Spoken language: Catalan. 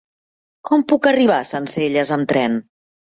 Com puc arribar a Sencelles amb tren?